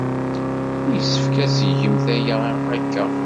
Yessefk ad tgemt aya akka.